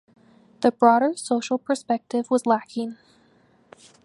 The broader social perspective was lacking.